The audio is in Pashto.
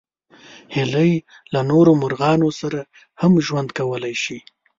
هیلۍ له نورو مرغانو سره هم ژوند کولی شي